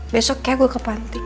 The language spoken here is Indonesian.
besoknya gue ke panti